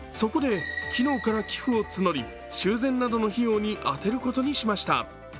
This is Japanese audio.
そこで、昨日から寄付を募り、修繕などの費用に充てることにしました。